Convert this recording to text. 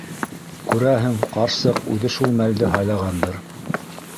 Күрәһең, ҡарсыҡ үҙе шул мәлде һайлағандыр.